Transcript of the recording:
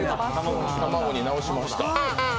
卵になおしました。